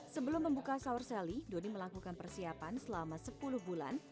sebelum membuka saur sally doni melakukan persiapan selama sepuluh bulan